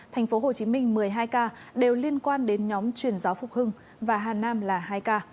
thành phố hồ chí minh một mươi hai ca đều liên quan đến nhóm chuyển gió phục hưng và hà nam là hai ca